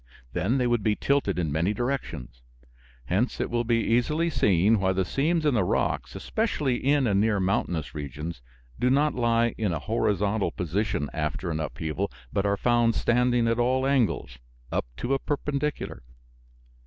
Then they would be tilted in many directions. Hence it will be easily seen why the seams in the rocks, especially in and near mountainous regions, do not lie in a horizontal position after an upheaval, but are found standing at all angles, up to a perpendicular.